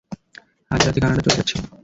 আজ রাতে কানাডা চলে যাচ্ছি।